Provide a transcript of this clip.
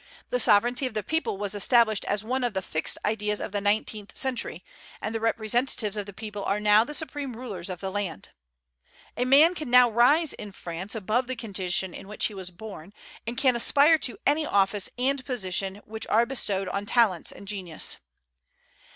The sovereignty of the people was established as one of the fixed ideas of the nineteenth century, and the representatives of the people are now the supreme rulers of the land. A man can now rise in France above the condition in which he was born, and can aspire to any office and position which are bestowed on talents and genius.